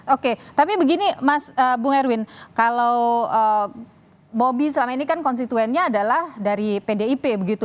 oke tapi begini mas bung erwin kalau bobi selama ini kan konstituennya adalah dari pdip begitu